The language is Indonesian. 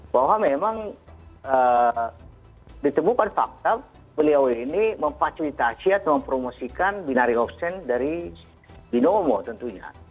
bahwa memang ditemukan fakta beliau ini memfasilitasi atau mempromosikan binary option dari binomo tentunya